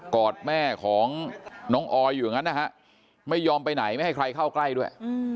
กอดแม่ของน้องออยอยู่อย่างนั้นนะฮะไม่ยอมไปไหนไม่ให้ใครเข้าใกล้ด้วย